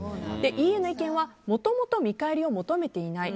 いいえの意見はもともと見返りを求めていない。